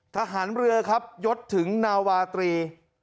ทหารเรือครับยศถึงนาวาตรี